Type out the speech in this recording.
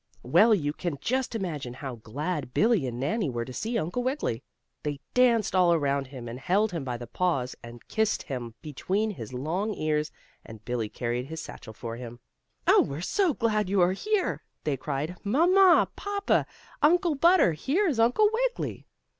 Well, you can just imagine how glad Billie and Nannie were to see Uncle Wiggily. They danced all around him, and held him by the paws, and kissed him between his long ears, and Billie carried his satchel for him. "Oh, we're so glad you are here!" they cried. "Mamma! Papa! Uncle Butter! Here is Uncle Wiggily!"